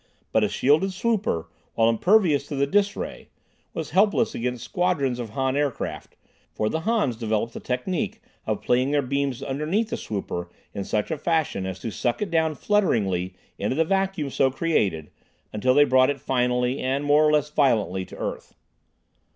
But a shielded swooper, while impervious to the "dis" ray, was helpless against squadrons of Han aircraft, for the Hans developed a technique of playing their beams underneath the swooper in such fashion as to suck it down flutteringly into the vacuum so created, until they brought it finally, and more or less violently, to earth.